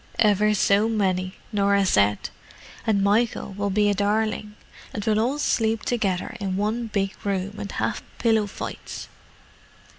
"Ever so many," Norah said. "And Michael will be a darling: and we'll all sleep together in one big room, and have pillow fights!"